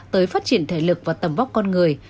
tới phát triển thể lực và tầm vóc con người